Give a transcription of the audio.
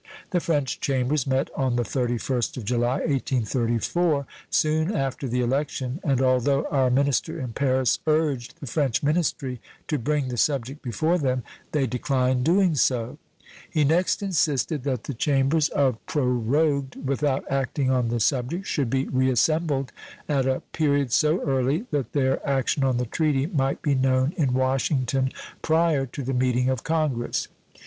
The French Chambers met on the thirty first of July, 1834, soon after the election, and although our minister in Paris urged the French ministry to bring the subject before them, they declined doing so. He next insisted that the Chambers, of prorogued without acting on the subject, should be reassembled at a period so early that their action on the treaty might be known in Washington prior to the meeting of Congress.